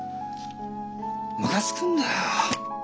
ムカつくんだよ。